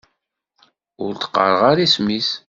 Ur d-qqareɣ ara isem-is.